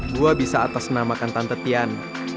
gua bisa atasnamakan tante tian